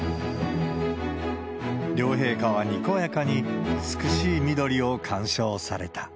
両陛下はにこやかに美しい緑を観賞された。